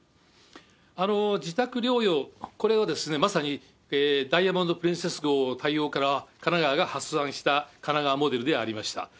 自宅療養、これはまさにダイヤモンド・プリンセス号の対応から神奈川が発案した神奈川モデルでありました。